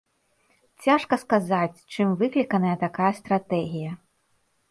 Цяжка сказаць, чым выкліканая такая стратэгія.